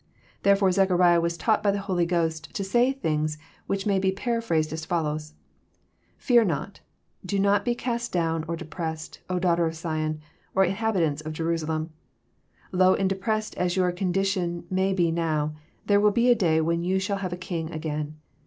Therefore Zechariah was taught by the Holy Ghost to say things which may be paraphrased as follows: *'Fear not; be not cast down or depressed, O daughter of Sion, or Inhabitants of Jerusalem. Low and de pressed as your condition may be now, there will be a day when you shall have a King again.